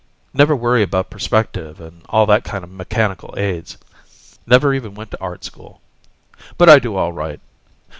Never worry about perspective and all that kinda mechanical aids. Never even went to Art School. But I do all right.